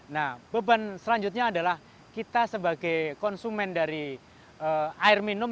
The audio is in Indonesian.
nah beban selanjutnya adalah kita sebagai konsumen dari air minum